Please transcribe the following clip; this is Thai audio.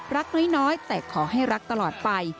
รักน้อยแต่ขอให้รักตลอดไป